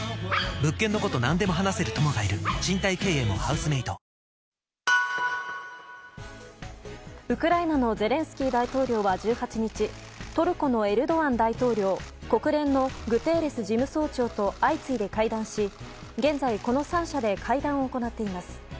ウクライナのゼレンスキー大統領は１８日トルコのエルドアン大統領国連のグテーレス事務総長と相次いで会談し現在、この３者で会談を行っています。